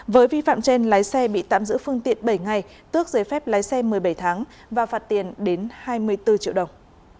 với vi phạm trên lái xe bị tạm giữ phương tiện bảy ngày tước giấy phép lái xe một mươi bảy tháng và phạt tiền đến hai mươi bốn triệu đồng